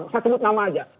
saya sebut nama saja